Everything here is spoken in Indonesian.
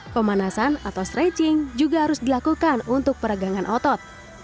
pemanasan atau stretching juga harus dilakukan untuk peregangan otot